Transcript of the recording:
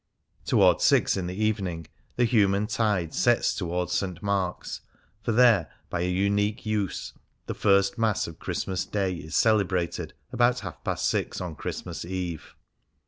Towards six in the evening the human tide sets towards St. Mark's, for there, by a unique use, the first Mass of Christmas Day is celebrated about half past six on Christmas Eve.